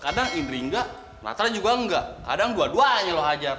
kadang indri engga natra juga engga kadang dua duanya lo hajar